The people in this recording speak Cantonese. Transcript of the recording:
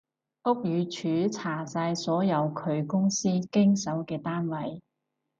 屋宇署查晒所有佢公司經手嘅單位